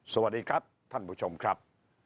สวัสดีครับท่านผู้ชมครับ